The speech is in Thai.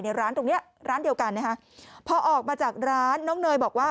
ร้านตรงเนี้ยร้านเดียวกันนะฮะพอออกมาจากร้านน้องเนยบอกว่า